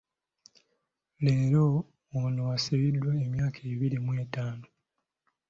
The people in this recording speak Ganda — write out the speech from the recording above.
Leero ono asibiddwa emyaka abiri mw'ettaano.